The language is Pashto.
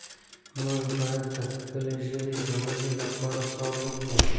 موږ باید د خپلې ژبې د ودې لپاره کار وکړو.